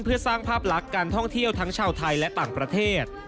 เพื่อสร้างภาพลักษณ์การท่องเที่ยวทั้งชาวไทยและต่างประเทศ